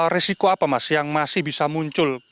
risiko apa mas yang masih bisa muncul